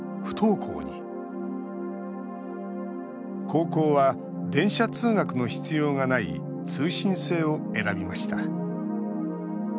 高校は電車通学の必要がない通信制を選びました。